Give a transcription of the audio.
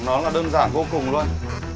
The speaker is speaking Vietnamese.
nó là đơn giản vô cùng luôn